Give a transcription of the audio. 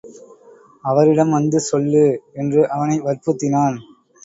அவரிடம் வந்து சொல்லு என்று அவனை வற்புறுத்தினான்.